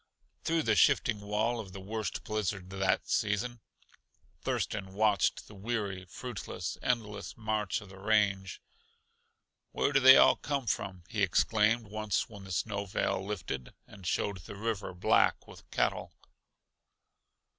Through the shifting wall of the worst blizzard that season Thurston watched the weary, fruitless, endless march of the range. "Where do they all come from?" he exclaimed once when the snow veil lifted and showed the river black with cattle.